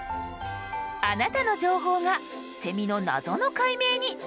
あなたの情報がセミの謎の解明につながるかも！